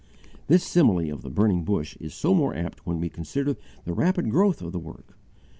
This simile of the Burning Bush is the more apt when we consider the _rapid growth of the work.